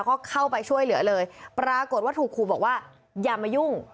ก็เข้าไปช่วยเหลือเลยปรากฏว่าถูกครูบอกว่าอย่ามายุ่ง